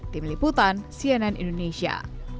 tim liputan cnn indonesia